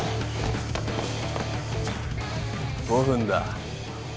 ５分だ。